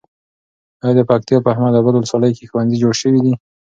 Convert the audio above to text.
ایا د پکتیا په احمد اباد ولسوالۍ کې ښوونځي جوړ شوي دي؟